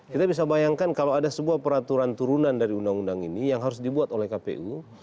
kita bisa bayangkan kalau ada sebuah peraturan turunan dari undang undang ini yang harus dibuat oleh kpu